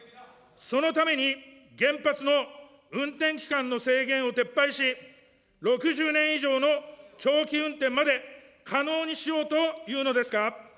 そのために原発の運転期間の制限を撤廃し、６０年以上の長期運転まで可能にしようというのですか。